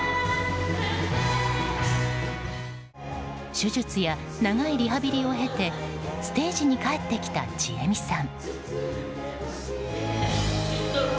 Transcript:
手術や長いリハビリを経てステージに帰ってきたちえみさん。